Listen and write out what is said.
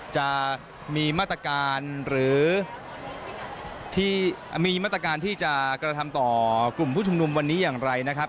จะมีมาตรการหรือที่มีมาตรการที่จะกระทำต่อกลุ่มผู้ชุมนุมวันนี้อย่างไรนะครับ